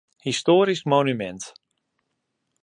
Histoarysk monumint.